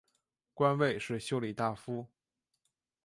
官位是修理大夫。